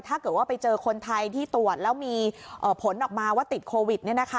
ถ้าเกิดว่าไปเจอคนไทยที่ตรวจแล้วมีผลออกมาว่าติดโควิด